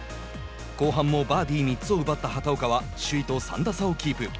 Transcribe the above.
後半もバーディー３つを奪った畑岡は首位と３打差をキープ。